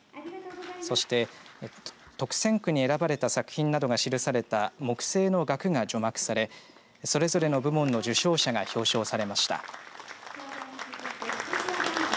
そして特選句に選ばれた作品などが記された木製の額が除幕されそれぞれの部門の受賞者が表彰されました。